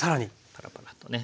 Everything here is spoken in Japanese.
パラパラッとね。